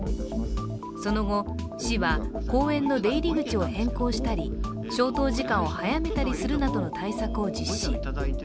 その後、市は公園の出入り口を変更したり消灯時間を早めたりするなどの対策を実施。